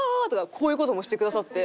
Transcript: こういう事もしてくださって。